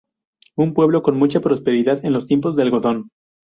Un pueblo con mucha prosperidad en los tiempos del algodón.